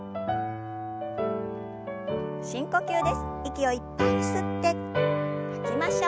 深呼吸です。